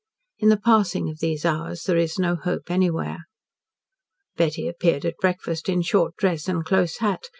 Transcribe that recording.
In the passing of these hours there is no hope anywhere. Betty appeared at breakfast in short dress and close hat.